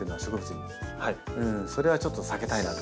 それはちょっと避けたいなと。